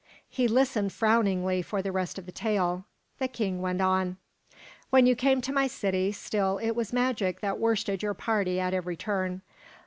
He listened frowningly for the rest of the tale. The king went on: "When you came to my city, still it was magic that worsted your party at every turn.